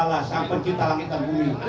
yang pencipta langit dan bumi